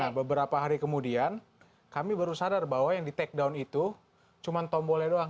nah beberapa hari kemudian kami baru sadar bahwa yang di take down itu cuma tombolnya doang